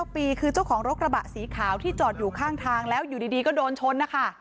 ปีคือเจ้าของรถกระบะสีขาวที่จอดอยู่ข้างทางแล้วอยู่ดีก็โดนชนนะคะ